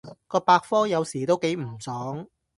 個百科有時都幾唔爽